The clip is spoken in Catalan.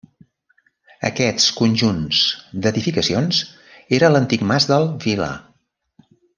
Aquests conjunts d'edificacions era l'antic mas del Vilar.